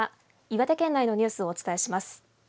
岩手県内のニュースをお伝えします。